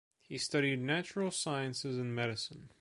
He studied natural sciences and medicine.